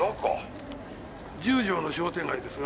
十条の商店街ですが？